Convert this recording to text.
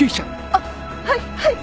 あっはい！